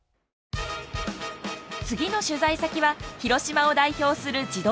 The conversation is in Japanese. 次の取材先は広島を代表する自動車メーカー！